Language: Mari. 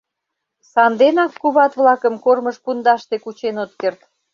Санденак куват-влакым кормыж пундаште кучен от керт.